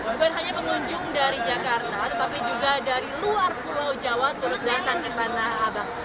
bukan hanya pengunjung dari jakarta tetapi juga dari luar pulau jawa turut datang ke tanah abang